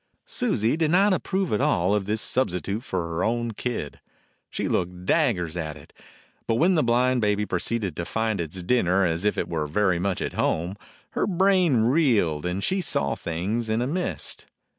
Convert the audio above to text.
Susie did not approve at all of this substi tute for her own kid. She looked daggers at it, but when the blind baby proceeded to find its dinner as if it were very much at home, her brain reeled, and she saw things in a mist.